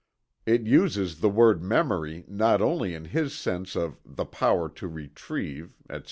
It uses the word memory not only in his sense of "The power to revive, etc.